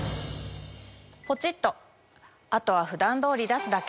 ポチっとあとは普段通り出すだけ。